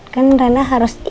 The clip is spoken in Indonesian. kan rena harus inget